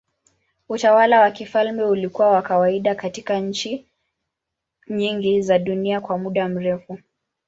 Utawala wa kifalme ulikuwa wa kawaida katika nchi nyingi za dunia kwa muda mrefu.